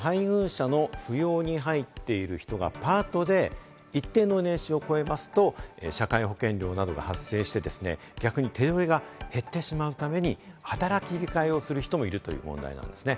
配偶者の扶養に入っている人がパートで一定の年収を超えますと、社会保険料などが発生してですね、逆に手取りが減ってしまうために、働き控えをする人もいるという問題なんですね。